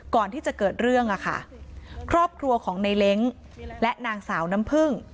ก่อนที่จะเกิดเรื่องอ่ะค่ะครอบครัวของในเล้งและนางสาวน้ำพึ่ง